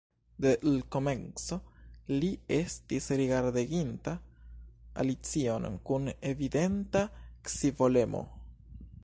De l' komenco li estis rigardeginta Alicion kun evidenta scivolemo.